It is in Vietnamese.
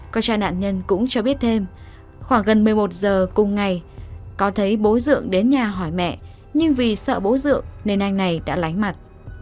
có cha nạn nhân cũng cho biết thêm khoảng gần một mươi một giờ cùng ngày có thấy bố dượng đến nhà hỏi mẹ nhưng vì sợ bố dượng nên anh này đã lánh mặt